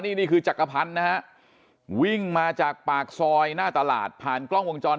นี่คือจักรพันธ์นะฮะวิ่งมาจากปากซอยหน้าตลาดผ่านกล้องวงจร